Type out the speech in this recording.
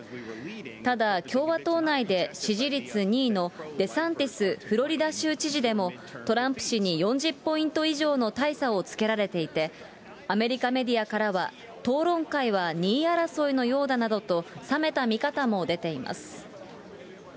ただ、共和党内で支持率２位のデサンティスフロリダ州知事でも、トランプ氏に４０ポイント以上の大差をつけられていて、アメリカメディアからは、討論会は２位争いのようだなどと、冷めた見方も出ています。